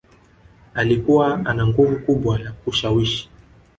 Alikuwa ana nguvu kubwa ya kushawishi